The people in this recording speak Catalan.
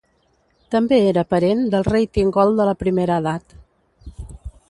També era parent del rei Thingol de la Primera Edat.